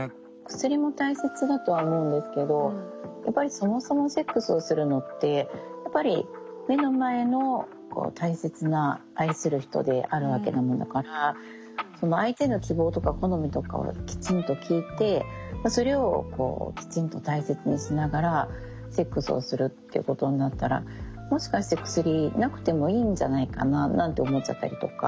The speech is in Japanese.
薬も大切だとは思うんですけどやっぱりそもそもセックスをするのってやっぱり目の前の大切な愛する人であるわけなのだからその相手の希望とか好みとかをきちんと聞いてそれをきちんと大切にしながらセックスをするっていうことになったらもしかして薬なくてもいいんじゃないかななんて思っちゃったりとか。